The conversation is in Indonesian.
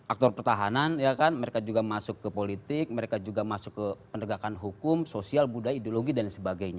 aktor pertahanan mereka juga masuk ke politik mereka juga masuk ke penegakan hukum sosial budaya ideologi dan sebagainya